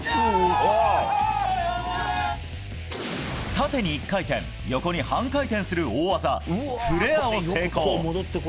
縦に１回転、横に半回転する大技フレアを成功。